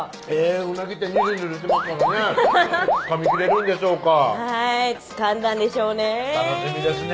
うなぎってニュルニュルしますからねつかみきれるんでしょうかはいつかんだんでしょうね楽しみですね